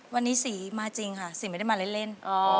วันนี้สีมาจริงค่ะสีไม่ได้มาเล่น